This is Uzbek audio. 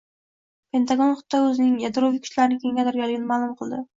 Pentagon Xitoy o‘zining yadroviy kuchlarini kengaytirayotganini ma’lum qildi